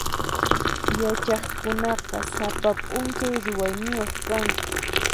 Yachaqkunaqa sapa p'unchay ruwayniyuq kanku.